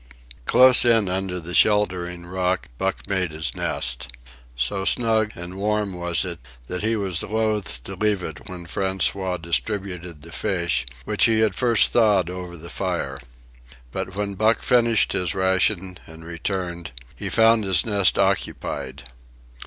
Close in under the sheltering rock Buck made his nest. So snug and warm was it, that he was loath to leave it when François distributed the fish which he had first thawed over the fire. But when Buck finished his ration and returned, he found his nest occupied.